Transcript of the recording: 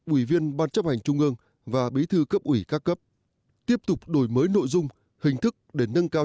ủy viên ban chấp hành trung ương và bí thư cấp ủy các cấp tiếp tục đổi mới nội dung hình thức để nâng cao